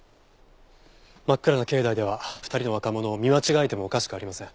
真っ暗な境内では２人の若者を見間違えてもおかしくありません。